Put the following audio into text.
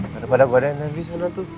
daripada badan rendy sana tuh